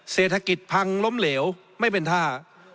เศรษฐกิจพังล้มเหลวไม่เป็นท่า